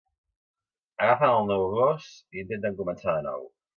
Agafen el nou gos i intenten començar de nou.